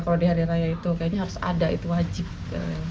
kalau di hari raya itu kayaknya harus ada itu wajib